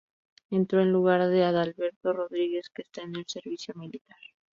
Entró en lugar de Adalberto Rodríguez, que está en el Servicio Militar.